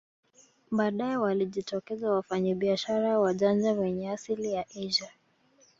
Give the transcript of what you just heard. Baadae walijitokeza wafanyabiashara wajanja wenye asili ya Asia